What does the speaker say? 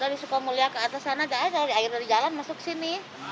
dari sukamulia ke atas sana tidak ada air dari jalan masuk sini